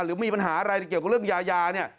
หรือมีปัญหาอะไรเกี่ยวกับเรื่องยายาเนี่ย